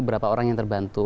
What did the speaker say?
berapa orang yang terbantu